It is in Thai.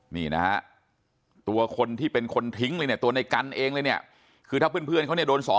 นี่นะฮะตัวคนที่เป็นคนทิ้งเลยเนี่ยตัวในกันเองเลยเนี่ยคือถ้าเพื่อนเขาเนี่ยโดนสอง